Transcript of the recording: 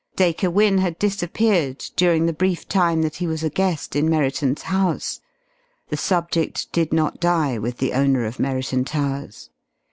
Dacre Wynne had disappeared during the brief time that he was a guest in Merriton's house. The subject did not die with the owner of Merriton Towers.